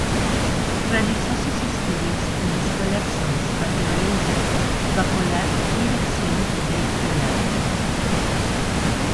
Realizo sus estudios en la Escuela Arzobispal de Valencia, bajo la dirección del Pbro.